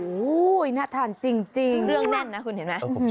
โอ้โหน่าทานจริงเครื่องแน่นนะคุณเห็นไหม